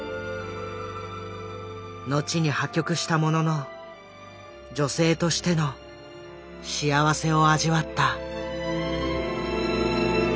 後に破局したものの女性としての幸せを味わった。